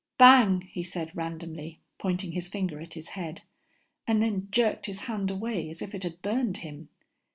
"Bang," he said randomly, pointing his finger at his head, and then jerked his hand away as if it had burned him.